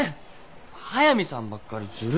速見さんばっかりずるい。